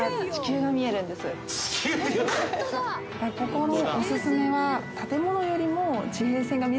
ここのお薦めは建物よりも。